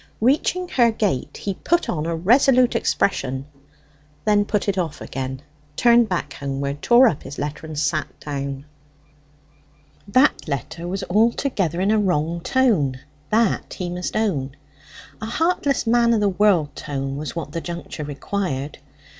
Reaching her gate he put on a resolute expression then put it off again, turned back homeward, tore up his letter, and sat down. That letter was altogether in a wrong tone that he must own. A heartless man of the world tone was what the juncture required.